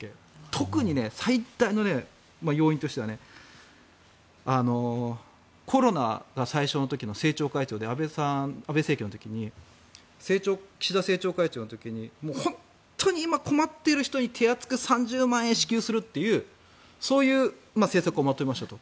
特に最大の要因としてはコロナが最初の時の政調会長で、安倍政権の時に岸田政調会長の時に本当に今困っている人に手厚く３０万円支給するというそういう政策をまとめましたと。